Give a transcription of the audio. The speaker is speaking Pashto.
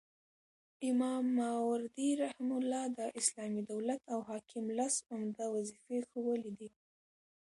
امام ماوردي رحمه الله د اسلامي دولت او حاکم لس عمده وظيفي ښوولي دي